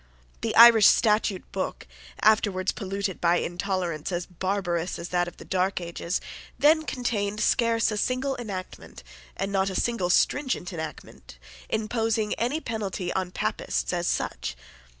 The Irish Statute Book, afterwards polluted by intolerance as barbarous as that of the dark ages, then contained scarce a single enactment, and not a single stringent enactment, imposing any penalty on Papists as such.